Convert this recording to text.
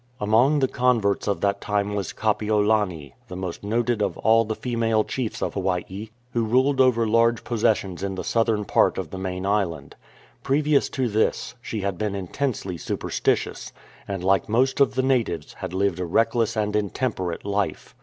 Among the converts of that time was Kapiolani, the most noted of all the female chiefs of Hawaii, who ruled over large possessions in the southern part of the main island. Previous to this, she had been intensely super stitious, and like most of the natives, had lived a reckless and intemperate life.